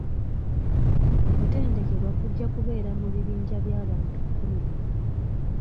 Okutendekebwa kujja kubeera mu bibinja by'abantu kkumi.